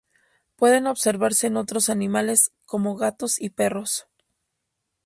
Pueden observarse en otros animales, como gatos y perros.